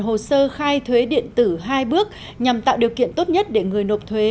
hồ sơ khai thuế điện tử hai bước nhằm tạo điều kiện tốt nhất để người nộp thuế